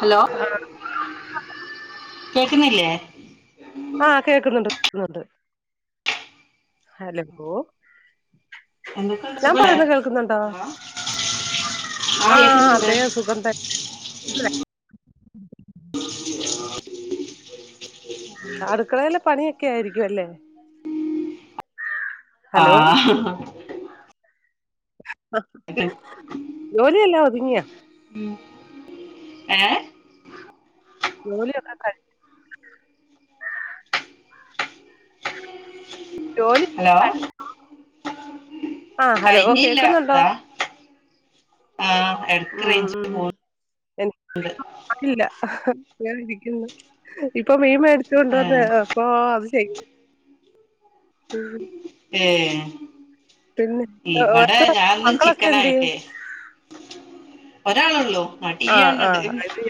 Hello ആ കേൾക്കുന്നില്ലേ ആഹ് കേൾക്കുന്നുണ്ട് കേൾക്കുന്നുണ്ട് ഹലോ എന്തൊക്കെയണ്ട് ഞാൻ സുഖല്ലേ പറയുന്ന ഹലോ ആ ആഹ് കേക്കുന്നുണ്ട് അതെ സുഖം തന്നെ ആടുക്കളെല് പണിയൊക്കെ ആയിരിക്കു അല്ലേ ഹലോ ആഹ് [unintelligible] [unintelligible] ജോലിയെല്ലാ ഒതുങ്ങിയാ ഉം ഏഹ് ജോലി ഒക്കെ കഴി ജോലി ഹലോ കഴിഞ്ഞില്ല കേൾക്കുന്നുണ്ടോ ഇതാ ആഹ് ഇടക്ക് റേഞ്ചില് ഉം പോണ്ട് [inaudible] ഇല്ല ഞൻ ഇരിക്കുന്നു ഇപ്പൊ മീൻ മേടിച്ച കൊണ്ട് വന്ന അപ്പൊ അത് ചെയ്യും ഉം ഏഹ് ഏ, ഇവിടെ ഇത് ഞാനൊന്നും മക്കളൊക്കെ എന്തിയെ ചിക്കനായിട്ടെ ഒരാളള്ളോ മടിയാണിത്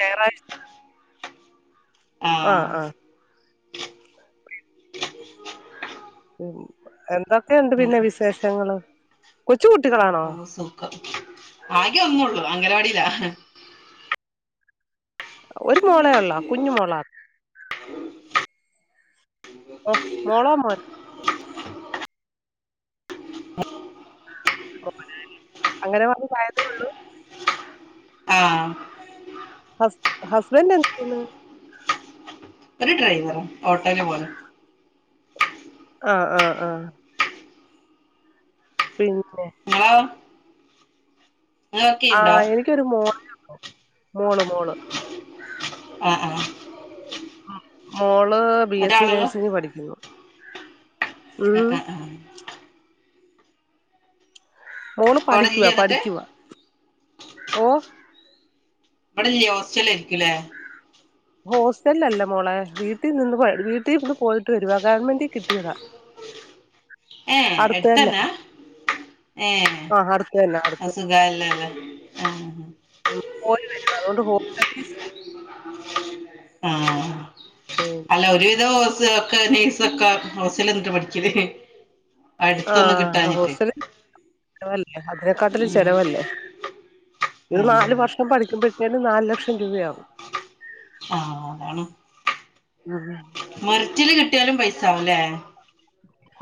ഞായറാഴ്ച്ച ആഹ് ആ [inaudible] ഉം എന്തൊക്കെയുണ്ട് അങ്ങനെ പിന്നെ വിശേഷങ്ങള് കൊച്ചു കുട്ടികളാണ് ആഹ് സുഖം ആകെ ഒന്നൊള്ളൂ അംഗനവാടില്ലാ ഒരു മോളേ ഉള്ളോ കുഞ്ഞുമോളാ ഓ മോളോ മോനോ അങ്ങനവാടിയില് ആയതേ ഉള്ളൂ ആഹ് ഹസ് ഹസ്ബൻഡ് എന്ത് ചെയ്യുന്നു ഒരു ഡ്രൈവറാ ഓട്ടോയില് പോലെ ആഹ് ആഹ് ആഹ് പിന്നെ ആഹ് ചെയ്യണ്ടോ ആഹ് എനിക്കൊരു മോള് മോള് മോള് ആഹ് ആഹ് മോള് ബി എസ് സി ഒരാളുള്ളൂ നേഴ്സിംഗ് പഠിക്കുന്നു ആഹ് ഉം ആഹ് ആഹ് മോള് അവിടെ പഠിക്കുവാ ഇല്ലേ എന്നിട്ട് പഠിക്കുവാ ഓ ഇവിടെ ല്ലെ ഹോസ്റ്റലി ആയിരിക്കൂലേ ഹോസ്റ്റലിൽ അല്ല മോളെ വീട്ടിൽ നിന്ന് വീട്ടിൽന്ന് പോയിട്ട് വരുവാ ഗവൺമെന്റി കിട്ടിയതാ [inaudible] ഏഹ് അടുത്ത് തന്നെ എടുത്തന്നാ ഏഹ് ആ അടുത്ത് തന്നെ അടുത്ത് അത് സുഖായിലല്ലാ ആഹ് പോയി വരി അതുകൊണ്ട് [inaudible] ആഹ് [unintelligible] അല്ല ഒരുവിധം ഹോ ഒക്കെ നഴ്സ് ഒക്കെ ഹോസ്റ്റലിൽ നിന്നാ പഠിക്കല് അടുത്തൊന്നും ആഹ് കിട്ടാഞ്ഞിട്ട് ഹോസ്റ്റല് ചെലവല്ലേ അതിനെക്കാട്ടില് ഉം. ചെലവല്ലേ ഇത് ഉം. നാലു വർഷം പഠിക്കുമ്പ ഞന് നാല് ലക്ഷം രൂപയാവും ആഹ് അതാണ് ആഹ് മെറിറ്റില് കിട്ടിയാലും പൈസ ആവല്ലേ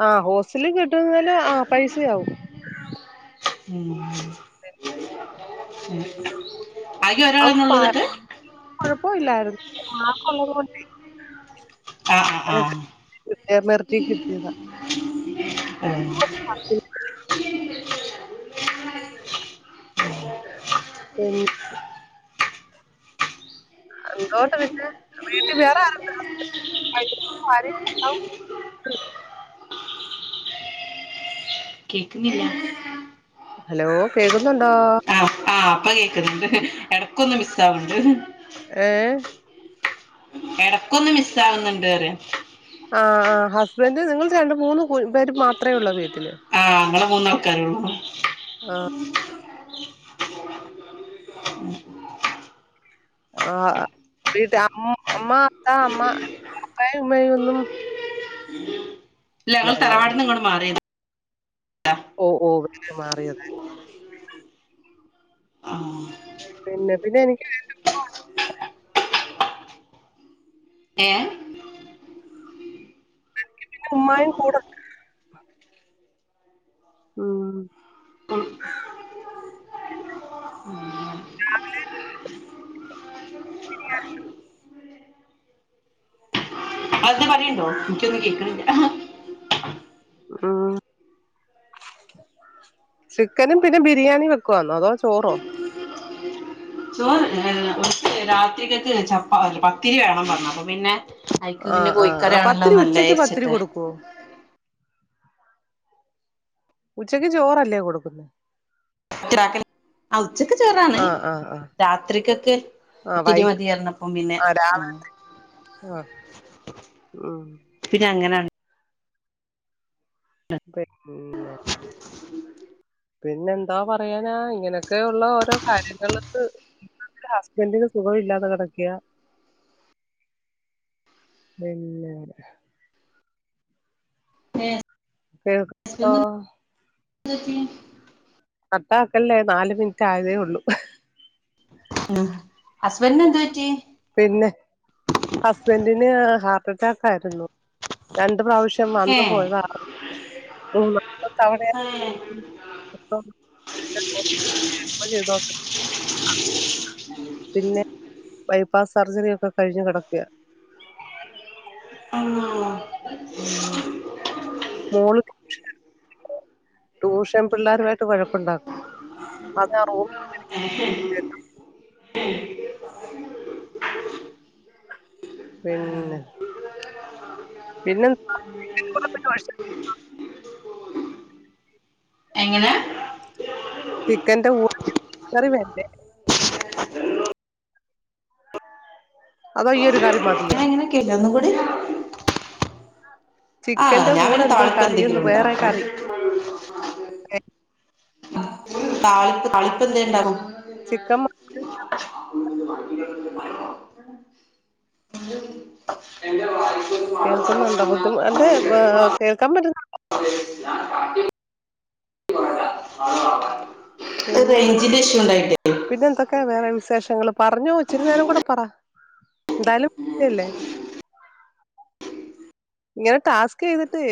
ആഹ് ഹോസ്റ്റലിൽ കിട്ട്ന്നേല് പൈസയാവും മം [inaudible] അവക്ക് പ കൊഴപ്പ ഇല്ലായിരുന്നു ആ മാർക്ക് ഒള്ളത് കൊണ്ടേ ആ ആ ആ ട്ട മർജിട്ടത [inaudible] ഉം. [unintelligible] [inaudible] ഉം എന്തോണ്ട് പിന്നെ വീട്ടിൽ വേറെ ആരുണ്ട് ഹസ്ബൻ്റ കേക്കിന്നില്ല? ഹലോ കേൾക്കുന്നുണ്ടോ? ആഹ് ആഹ് ഇപ്പ കേക്കിണ്ണ്ട് ഇടക്കൊന്ന് മിസ്സ് ആവണ്ട് ഏഹ് ഇടക്കൊന്ന് മിസ്സവുന്നുണ്ട് പറയ ആ ആ ഹസ്ബൻ്റ നിങ്ങള് രണ്ട് മൂന്ന് പേര് മാത്രമേ ഉള്ളൂ വീട്ടില്. ആ അങ്ങെ മൂന്നാൾക്കാരേള്ളൂ. ആ ആഹ് വീട്ട അമ്മ, അത്ത, അമ്മ അമ്മ ഉമ്മയും ഒന്നും ല്ല ഇല്ല ഞങ്ങള് അല്ലേ തറവാട് നിന്ന്ങ്ങോട്ട് മാറിണ്. ഓഹ് ഹ് ഇങ്ങട്ട് മാറിയതാലേ? ആഹ് പിന്നെ പിന്നെ എനിക്ക് ഏ ഉമ്മായും കൂടെ ഉം രാവിലെ അ പറയുണ്ടോ? എനിക്കൊന്നും കേൾക്കണില്ല. ഹ ഹ് മ് മ് ചിക്കനും പിന്നെ ബിരിയാണി വെക്കുന്നോ അതോ ചോറോ? ചോറ് ഏഹ് രാത്രിക്കൊക്ക് ചപ്പ പത്തിരി വേണം പറഞ്ഞു അപ്പൊ പിന്നെ അയ്ക്ക് പിന്നെ ആഹ് ആഹ് ആ കോഴിക്കറി ആണല്ലോ പത്തിരി നല്ലത് ഉച്ചക്ക് പത്തിരി രിച്ചിട്ട്. കൊടുക്കുവോ ഉച്ചക്ക് ചോറല്ലേ കൊടുക്കുന്നേ? ക്ക ഉച്ചക്കെ ചേറാണ് ആഹ് ആഹ് ആഹ് രാത്രിക്കൊക്കെ ആഹ് വൈ ഒത്തിരി മതി ഇറന്നപ്പം പിന്നെ ആ ആഹ് ഉം പിന്നെ അങ്ങനെണ്ട [unintelligible] പിന്നെ എന്താ പറയാനാ ഇങ്ങനെയൊക്കെയുള്ള ഓരോ കാര്യങ്ങൾണ്ട് ഹസ്ബൻ്റിന് സുഖം ഇല്ലാതെ കിടക്ക്യ. പിന്നെ വര ഏഹ് കേൾക്ക ഹസ്ബൻഡിന് എന്ത് പറ്റി [inaudible] കട്ടാക്കല്ലേ നാല് മിനിറ്റ് ആയതേ ഉള്ളൂ. ഉം ഹസ്ബൻ്റിന് എന്തു പറ്റി പിന്നെ ഹസ്ബൻ്റിന് ഹാർട്ട്റ്റാക്ക് ആയിരുന്നു രണ്ട് പ്രാവശ്യം പക്ഷെ വന്നു ഏഹ് പോയതാറിഞ്ഞില്ല. ഏഹ് [unintelligible] ചെയ്തോ പിന്നെ ബൈപ്പാസ് സർജറി ഒക്കെഴിഞ്ഞ് കിക്കുക ഉം ഉം മോള് [unintelligible] ട്യൂഷൻ പിള്ളേരുമായിട്ട് വഴക്കുണ്ടാക്കും. അതാ റും [unintelligible] പിന്നെ പിന്നെന്ത് എങ്ങനെ ചിക്കന്റെ [unintelligible] കറി വണ്ടെ അതോ ഈ്യ ഒരു കറി മതിയോ എങ്ങനൊക്കെയല്ലോ ഒന്നും കൂടി. ആഹ് ചിക്കന്റെ ഞാൻ കൂടെ പിന്നെ എന്തോ താളിപ്പ് കറി എന്തെങ്കിലും വേറെ ഉണ്ടാക്കും കറി താളിപ്പ് താളിപ്പ് എന്തെ ഉണ്ടാക്കും ചിക്കൻ മ [inaudible] എന്റെറെ [unintelligible] കേൾക്കുന്നുണ്ടോ ബുദ്ധിമു എന്റെ കേൾക്കാൻ പറ്റുന്ന ടോ [inaudible] റേഞ്ചിന്റെ ഇഷ്യു ഉണ്ടായിട്ടേ? പിന്നെ എന്തൊക്കെയ വേറെ വിശേഷങ്ങൾ പറഞ്ഞുച്ചിരുന്നേരും കൂടെ പറ എന്തായാലും വില്ലേ ഇങ്ങനനെ ടാസ്ക് ചെയ്തിട്ട്.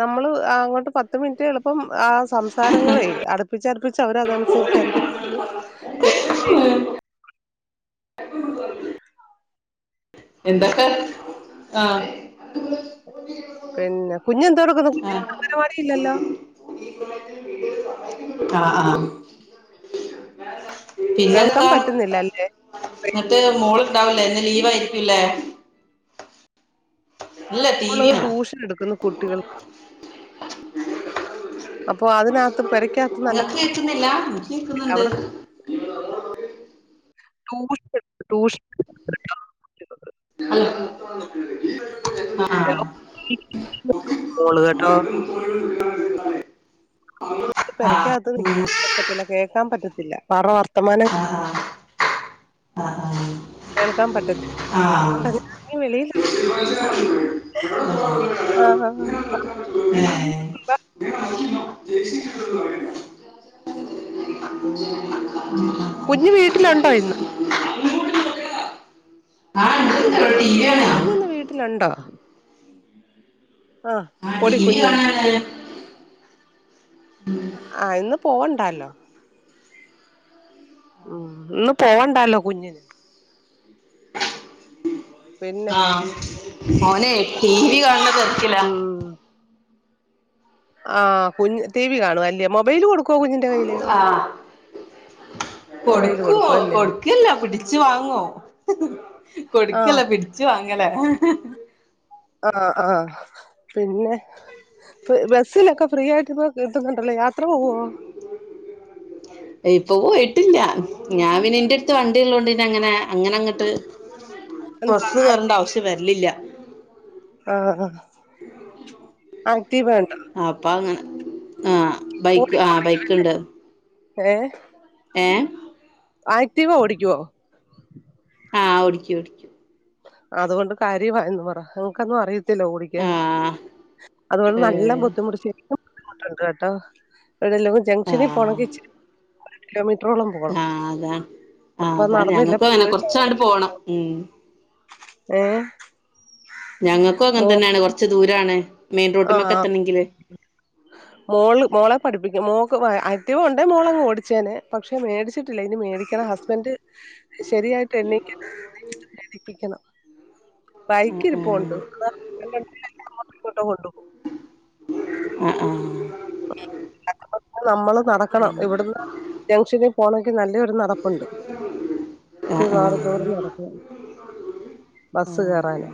നമ്മള് അങ്ങോട്ട് പത്ത് മിനിറ്റ് എളുപ്പം ആ സംസാരങ്ങളെ അടുപ്പിച്ചടുപ്പിച്ച് അവര അതനുസരിച്ചായിരിക്കും പേയ്‌മെന്റ് യും. [inaudible] ഉം എന്തൊക്കാ ആഹ് പിന്നെ കുഞ്ഞ് എന്തോ എടുക്കുന്നു ആഹ് അംഗൻവാടി ഇല്ലല്ലോ? [inaudible] ആഹ് കേൾക്കാൻ പിന്നെക്കാ പറ്റുന്നില്ല അല്ലേ എന്നിട്ട് മോള് ഇണ്ടാവൂല്ലേ ഇന്ന് ലീവ് ആയിരിക്കല്ലേ? മോൾ ട്യൂഷൻ എടുക്കുന്നു കുട്ടികൾക്ക് [inaudible] അപ്പൊ അതിനകത്ത് പെരക്കകത്ത് നല്ല നിങ്ങൾക്ക് കേക്കുന്നില്ല എനിക്ക് കേക്കുന്നുണ്ട്. അവിടെ ട്യൂഷൻ ഹലോ ആഹ് ആഹ് [inaudible] മോള് കേട്ടോ ആഹ് പെരക്കകത്ത് നിക്കാൻ [inaudible] പറ്റത്തില്ല കേൾക്കാൻ പറ്റത്തില്ല പറ വർത്തമാനം ആഹ് ആഹ് ആഹ് ആഹ് കേൾക്കാൻ പറ്റത്തില്ല ആഹ് അതുകൊണ്ട് വളിൽ ഇങ്ങനെ ഇറങ്ങിയില്ല [inaudible] ആഹ് ഏഹ്. നോക്കി ജെ സി കിട്ടുന്നു പറയുന്നത് ഉം കുഞ്ഞ് വീട്ടിലുണ്ടോ ഇന്ന്. [unintelligible] കുഞ്ഞു ഇന്ന് വീട്ടിലുണ്ടോ? ആഹ് ആ ടി പൊടി വി കുഞ്ഞ്. കാണാന് ആഹ് ഇന്ന് പോവണ്ടല്ലോ ഉം ഒന്ന് പോയടല്ലോ കുഞ്ഞ്ന്. പിന്നെ ഓനെ ടി വി കാണണ തെരക്കിലാ ആഹ കുഞ് ടിവി കാണു അല്ല മൊബൈല് കൊടുക്കുവോ കുഞ്ഞിന്റെ കയ്യില്. മൊബൈല് കൊടുക്കുവോ കൊടുക്കും അല്ലേ കൊടു കൊക്കല്ല പിടിച്ചു വാങ്ങോ ആഹ് കൊടുക്കല്ല പിടിച്ചു വാങ്ങല ആഹ ആഹ പിന്നെ ഇ ബസ്സിലൊക്കെ ഫ്രീ ആയിട്ട് ഇപ്പൊ കിട്ടുന്നുണ്ടല്ലോ യാത്ര പോവുവോ? ഇപ്പ പോയിട്ടില്ല ഞാൻ പിന്നെ എന്റെ അടുത്ത് വണ്ടി ഉള്ളതോണ്ട് ഇന്ന അങ്ങനെ അങ്ങനെ അങ്ങട്ട്. എന്തുവാ ബസ് കേറണ്ട ആവശ്യം വരൽ ഇല്ല. ആഹ് ആക്റ്റീവ് വേണ്ടോ അപം അങ്ങനെ ആഹ് ബൈക്ക് ആഹ ബൈക്ക് ഉണ്ട്. ഏ ഏ ആക്റ്റീവാ ഓിക്കുവോ ആഹ് ഓടിക്കും ഓടിക്കും അതുകൊണ്ട് കാര്യമായിന്ന് പറ ഓക്ക് ക്കൊന്നും അറയി ത്തില്ല ആ ഓടിക്കാന് അതുകോണ്ട് നല്ല ഏ ബുദ്ധിമുട്ട് ശരിക്കും ബുദ്ധിമുട്ടുണ്ട് കേട്ടോ എവിടെല്ലോ ആ ജംഗ്ഷനിൽ പോണെ ച്ചി കിലോമീറ്ററോളം പോകും ആഹ് അതാണ് ആ അതാണ് ഞങ്ങൾക്ക് അങ്ങനെ പോയിട്ട് കൊറച്ചാണ്ട് പോണം ഉം ഏ ഞങ്ങക്കും അങ്ങനെ മോ തന്നെയാണ് കുറച്ച് ദൂരാണ് മെയിൻ റോട്ടുമ്മക്ക് എത്തണമെങ്കില് ഉ മോള് മോളെ പഠിപ്പിക്കും മോക്ക് ആക്റ്റീവ് ഉണ്ടേ മോളങ് ഓടിച്ചേെനെ പക്ഷെ മേടിച്ചിട്ടില്ല ഇനി മേടിക്കണം ഹസ് ഹസ്ബൻ്റ് ശരിയായിട്ട് [unintelligible] എണീപ്പിക്കണം ആ ബൈക്ക് ആ ഇപ്പ്‌ണ്ട് [unintelligible] അ ആഹ നമ്മള് നടക്കണം ഇവിടുന്ന് ജംഗ്ഷനിൽ പോണങ്കിൽ നല്ലൊരു നടപ്പുണ്ട് ആ ആ ഏറെ ദൂരം നട ഉം ആ ബസ് കേറാന്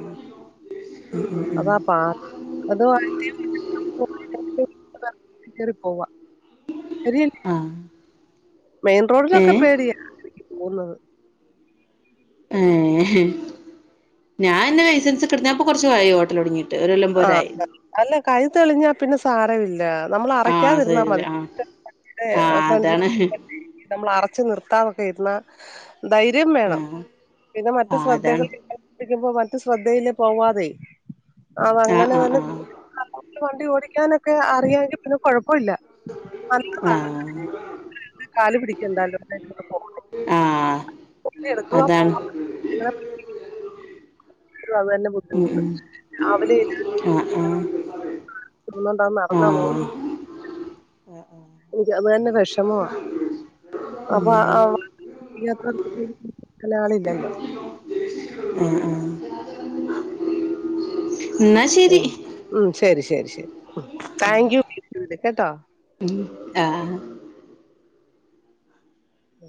അതാ പാ അത് [unintelligible] കെറി പോവാ ര് ആ ആ. മെയിൻ ഏ റോഡിലൊക്കെ പേടിയാ പോകുന്നത് ഏഹെ ഞാനന്നെ ലൈസൻസൊക്കെ എടുത്തിട്ട് ഞാപ്പൊ കൊറച്ച് കാലായി ഓട്ടൽ തൊടങ്ങീട്ട് ഒരു കൊല്ലം ആഹ് പോരായി അല്ല കൈ തെളിഞ്ഞാൽ പിന്നെ സാരമില്ല നമ്മൾഅറ ആ ക്കാതിരുന്നാൽ ശരില്ലേ മതി ആ ആ ഫ്ര അതാണ് നമ്മൾ അറച്ചു നിർത്താനൊക്കെ ഇരുന്ന ധൈര്യം വേണം ആഹ് പിന്നെ മറ്റെ ആഹ് അതാണ് ശ്രദ്ധകൾ [unintelligible] ശ്രദ്ധയില് പോവാതെ അത് ആഹ് അങ്ങനെ തന്നെ ആഹ് വണ്ടി ഓടിക്കാനൊക്കെ അറിയാെങ്കിൽ പിന്നെ കൊഴപ്പല്ല ആഹ് ന്നലതാ. ആഹ് കാല്ല് പിടിക്കണ്ടല്ലോ [inaudible] ആഹ് കുട്ടി എടുക്കുക അതാണ് പോവാ ങ്ങനെ [unintelligible] നം ഉം ഉം ആഹ് ആഹ് [unintelligible] നടന്ന പോന്ന? ആഹ് ഇതാവു ന്നെ വിഷമ ഉം അപ്പൊ ആ ആ [unintelligible] അയ്ല്ആള് ഇല്ലല്ലോ ആഹ് ആഹ് എന്നാ ശരി. ഉം ശെരി ശെരി ശെരി ഉം താങ്ക്യൂ [unintelligible] കേട്ടോ ഇൽ ആഹ് ആ